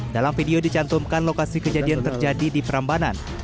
dalam video dicantumkan lokasi kejadian terjadi di perambanan